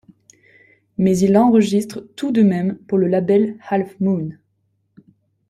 Mais il enregistre tout de même pour le label Half Moon.